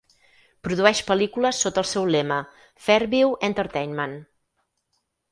Produeix pel·lícules sota el seu lema, Fairview Entertainment.